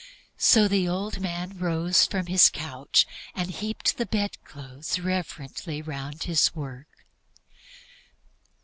So the old man rose from his couch and heaped the bed clothes reverently round his work.